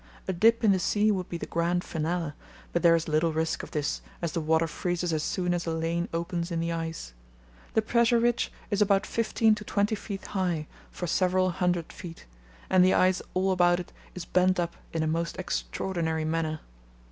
A dip in the sea would be the grand finale, but there is little risk of this as the water freezes as soon as a lane opens in the ice. The pressure ridge is about fifteen to twenty feet high for several hundred feet, and the ice all about it is bent up in a most extraordinary manner.